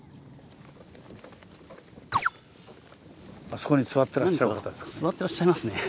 あそこに座ってらっしゃる方ですかね。